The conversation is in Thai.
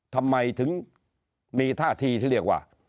ทำไมถึงมีท่าทีที่เรียกว่า